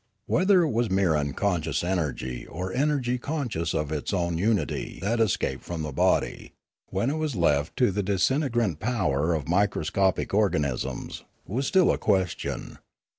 Whether it was mere unconscious energy or energy conscious of its own unity that escaped from the body, when it was left to the disintegrant power of micro scopic organisms, was still a question.